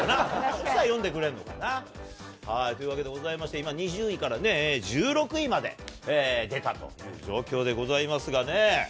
そしたら読んでくれんのかな。ということでございまして、今、２０位から１６位まで出たという状況でございますがね。